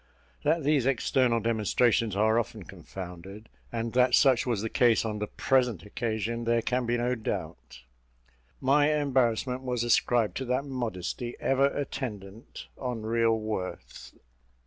That these external demonstrations are often confounded, and that such was the case on the present occasion, there can be no doubt. My embarrassment was ascribed to that modesty ever attendant on real worth.